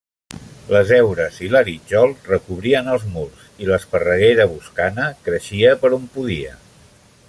Les heures i l'arítjol recobrien els murs, i l'esparreguera boscana creixia per on podia.